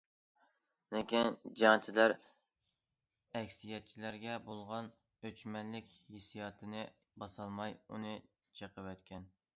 لېكىن جەڭچىلەر ئەكسىيەتچىلەرگە بولغان ئۆچمەنلىك ھېسسىياتىنى باسالماي ئۇنى چېقىۋەتكەن.